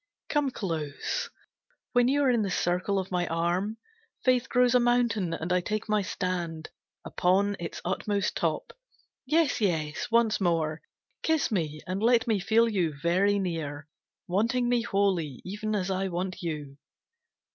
Come, close; When you are in the circle of my arm Faith grows a mountain and I take my stand Upon its utmost top. Yes, yes, once more Kiss me, and let me feel you very near Wanting me wholly, even as I want you.